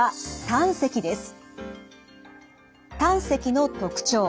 胆石の特徴